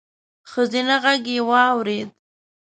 ښځينه غږ يې واورېد: